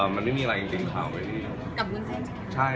มันมีอะไรอย่างงี้ข่าวเลย